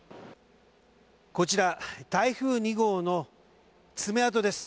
こちら、台風２号の爪痕です。